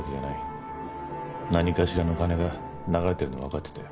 何かしらの金が流れてるのはわかってたよ。